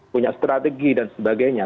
punya strategi dan sebagainya